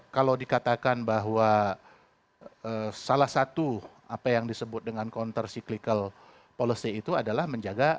kalau dikatakan bahwa